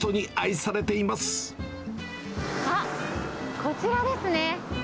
あっ、こちらですね。